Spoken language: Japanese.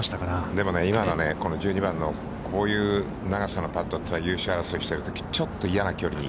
でも、今のこの１２番のこういう長さのパットというのは、優勝争いをしているとき、ちょっと嫌な距離に。